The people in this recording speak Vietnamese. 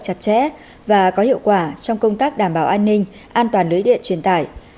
chặt chẽ và có hiệu quả trong công tác đảm bảo an ninh an toàn lưới điện truyền tải